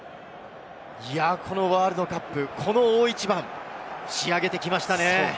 このワールドカップ、この大一番仕上げてきましたね。